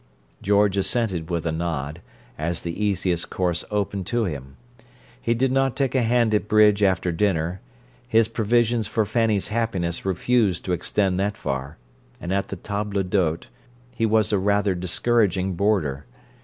George assented with a nod, as the easiest course open to him. He did not take a hand at bridge after dinner: his provisions for Fanny's happiness refused to extend that far, and at the table d'hote he was a rather discouraging boarder.